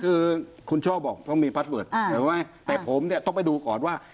คือคุณชอบบอกต้องมีอ่าเห็นไหมแต่ผมเนี้ยต้องไปดูก่อนว่า